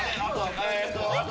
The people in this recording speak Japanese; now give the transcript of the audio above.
えっと